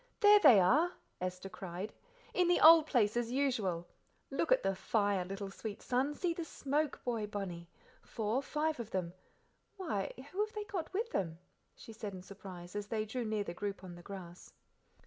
"There they are," Esther cried, "in the old place, as usual, look at the fire, little sweet son; see the smoke, boy bonny four five of them. Why, who have they got with them?" she said in surprise, as they drew nearer the group on the grass.